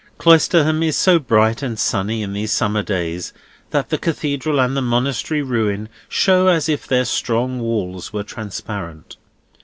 Cloisterham is so bright and sunny in these summer days, that the Cathedral and the monastery ruin show as if their strong walls were transparent.